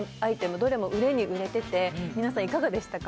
どれも売れに売れてて皆さんいかがでしたか？